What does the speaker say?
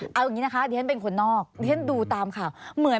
เพราะว่าท่านเป็นคนนอกท่านดูตามข่าว